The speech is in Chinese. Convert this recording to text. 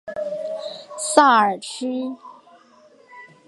萨尔屈。